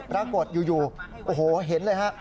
ปรากฏอยู่โอ้โหเห็นเลยฮะ